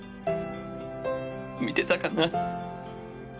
見てたかな。